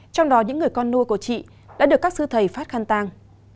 trong đó những người con nuôi của chị đã được các sư thầy phát khăn tàng